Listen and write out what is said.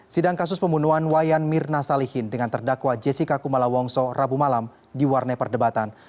sidang kasus pembunuhan wayan mirna salihin dengan terdakwa jessica kumala wongso rabu malam diwarnai perdebatan